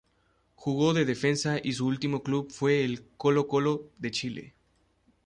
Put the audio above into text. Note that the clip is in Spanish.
Jugó de defensa y su último club fue el Colo-Colo de Chile.